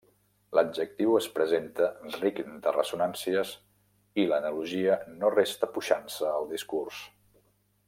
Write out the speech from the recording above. L'adjectiu es presenta ric de ressonàncies i l'analogia no resta puixança al discurs.